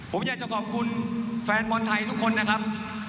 ผมอยากจะขอบคุณแฟนบอลไทยทุกคนนะครับ